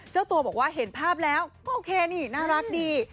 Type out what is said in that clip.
เจ้าตัวบอกว่าเห็นภาพแล้วก็โอเคนี่น่ารักดี